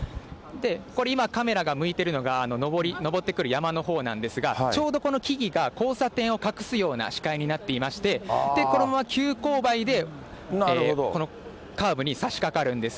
これ今、カメラが向いているのが上ってくる山のほうなんですが、ちょうどこの木々が交差点を隠すような視界になっていまして、このまま急勾配でこのカーブに差しかかるんです。